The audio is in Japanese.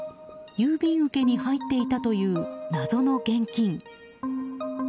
郵便受けに入っていたという謎の現金。